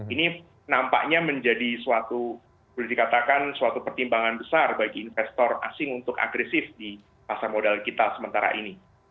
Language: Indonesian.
ini nampaknya menjadi suatu boleh dikatakan suatu pertimbangan besar bagi investor asing untuk agresif di pasar modal kita sementara ini